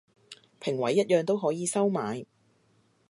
評委一樣都可以收買